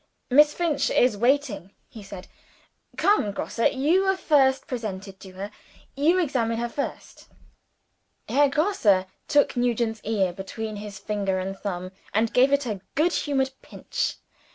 "Miss Finch is waiting," he said. "Come, Grosse, you were first presented to her. You examine her first." Herr Grosse took Nugent's ear between his finger and thumb, and gave it a good humoured pinch.